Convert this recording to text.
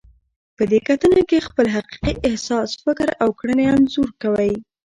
په دې کتنه کې خپل حقیقي احساس، فکر او کړنې انځور کوئ.